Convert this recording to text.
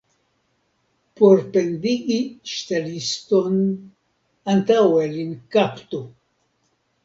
Por pendigi ŝteliston, antaŭe lin kaptu.